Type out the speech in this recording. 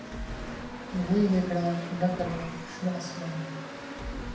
غیږ یې کړه ډکه له شنه اسمانه